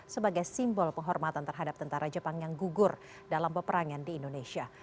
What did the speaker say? sebagai simbol penghormatan terhadap tentara jepang yang gugur dalam peperangan di indonesia